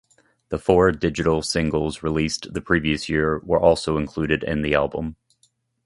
The four digital singles released the previous year were also included in the album.